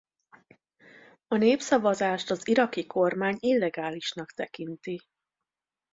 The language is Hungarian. A népszavazást az iraki kormány illegálisnak tekinti.